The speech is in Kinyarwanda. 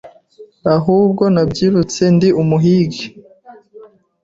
ahubwo nabyirutse ndi umuhigi